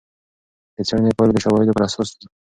د څېړنې پایلې د شواهدو پر اساس دي.